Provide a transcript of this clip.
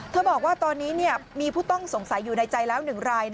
บอกว่าตอนนี้มีผู้ต้องสงสัยอยู่ในใจแล้ว๑ราย